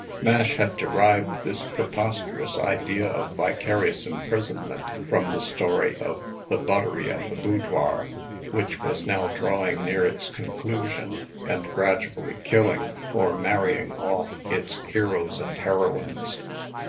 Mash had derived this preposterous idea of vicarious imprisonment from the story of "The Buttery and the Boudoir," which was now drawing near its conclusion, and gradually killing, or marrying off, its heroes and heroines.